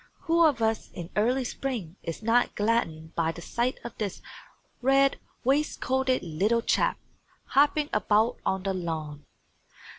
Who of us in early spring is not gladdened by the sight of this red waistcoated little chap hopping about on the lawn?